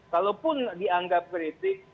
kalaupun dianggap kritik